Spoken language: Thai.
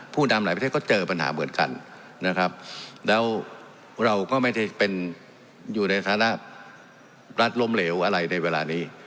นำหลายประเทศก็เจอปัญหาเหมือนกันนะครับแล้วเราก็ไม่ได้เป็นอยู่ในฐานะรัฐล้มเหลวอะไรในเวลานี้